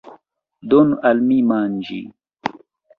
Donu al mi manĝi!